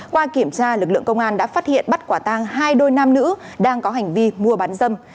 qua kiểm tra lực lượng công an đã phát hiện bắt quả tang hai đôi nam nữ đang có hành vi mua bán dâm